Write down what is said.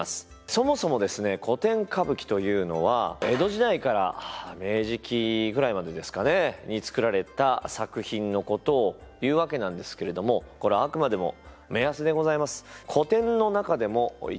そもそもですね古典歌舞伎というのは江戸時代から明治期ぐらいまでですかねに作られた作品のことをいうわけなんですけれどもこれはあくまでも目安でございます。